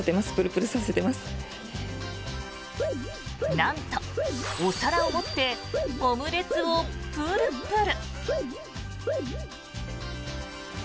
なんとお皿を持ってオムレツをプルプル。